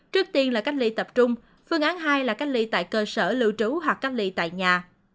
trước tiên là cách ly tập trung phương án hai là cách ly tại cơ sở lưu trú hoặc cách ly tại nhà